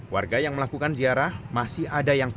warga yang melakukan ziarah masih ada yang tidak